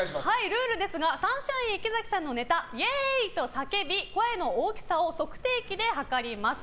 ルールですがサンシャイン池崎さんのネタイエーイ！と叫び声の大きさを測定器で測ります。